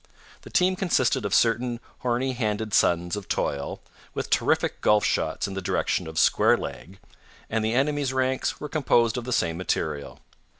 The team consisted of certain horny handed sons of toil, with terrific golf shots in the direction of square leg, and the enemy's ranks were composed of the same material.